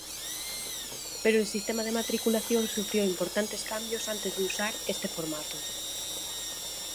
Pero el sistema de matriculación sufrió importantes cambios antes de usar este formato.